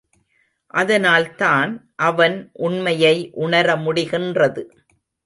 அதனால் தான் அவன் உண்மையை உணர முடிகின்றது.